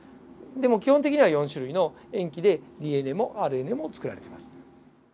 でも基本的には４種類の塩基でＤＮＡもＲＮＡも作られてます。